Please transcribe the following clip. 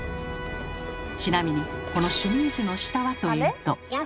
ちなみにこのシュミーズの下はというと。